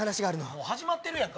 もう始まってるやんか。